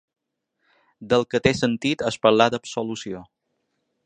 Del que té sentit és parlar d’absolució.